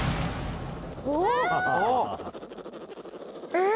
えっ？